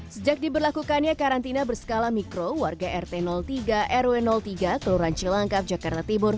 sejak diberlakukannya karantina berskala mikro warga rt tiga rw tiga kelurahan cilangkap jakarta timur